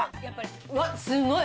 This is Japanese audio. うわっすごい！